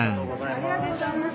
ありがとうございます。